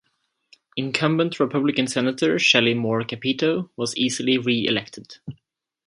Incumbent Republican Senator Shelley Moore Capito was easily reelected.